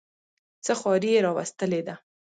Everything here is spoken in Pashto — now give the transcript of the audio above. څه خواري یې راوستلې ده.